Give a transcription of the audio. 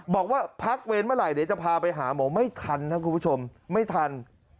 บอกว่าพักเวรเมื่อไหร่เดี๋ยวจะพาไปหาหมอไม่ทันครับคุณผู้ชมไม่ทัน